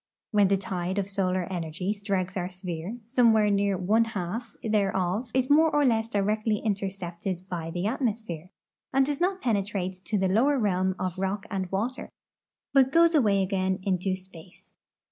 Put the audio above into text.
When the tide of solar energy strikes our sphere, somewhere near one half thereof is more or le.ss directly intercepted by the atmos})here, and does not penetrate to the lower realm of rock and water, but goes away again into space.